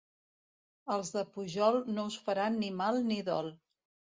Els de Pujol no us faran ni mal ni dol.